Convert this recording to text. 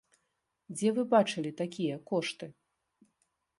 Дзе вы бачылі такія кошты?